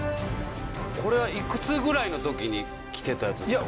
これはいくつぐらいの時に着てたやつですか？